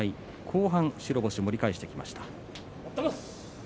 後半白星、盛り返してきました。